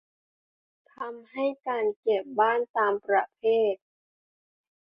ทำให้การเก็บบ้านตามประเภท